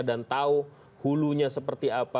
dan tahu hulunya seperti apa